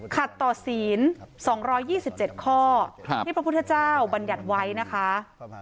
ขัดต่อศีล๒๒๗ข้อที่พระพุทธเจ้าบัญญัติไว้นะคะ